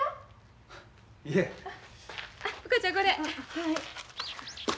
はい。